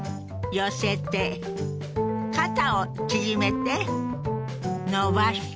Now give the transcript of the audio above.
肩を縮めて伸ばして。